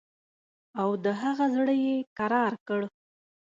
او د هغه زړه یې کرار کړ.